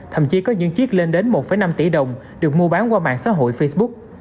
thậm chí có những chiếc lên đến một năm tỷ đồng được mua bán qua mạng xã hội facebook